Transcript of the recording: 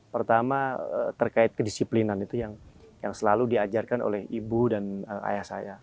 pertama terkait kedisiplinan itu yang selalu diajarkan oleh ibu dan ayah saya